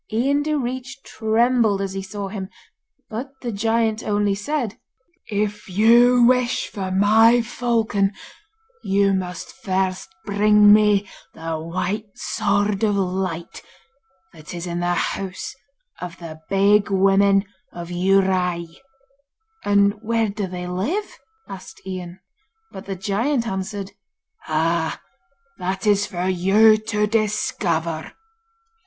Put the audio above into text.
Ian Direach trembled as he saw him; but the giant only said: 'If you wish for my falcon you must first bring me the White Sword of Light that is in the house of the Big Women of Dhiurradh.' 'And where do they live?' asked Ian. But the giant answered: 'Ah, that is for you to discover.